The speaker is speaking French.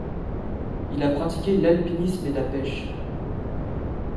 Il a pratiqué l'alpinisme et la pêche.